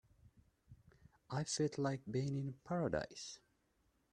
I felt like being in paradise.